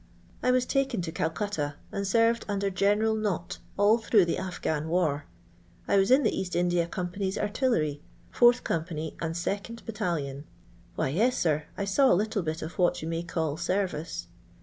I was taken to Cal cutta, and served under G^eral Nott all through the A%han vrar. I was in the Bast India Com pany's artillery, 4th company and 2nd battalion. Why, yes, sir, I saw a little of what you may call 'service.'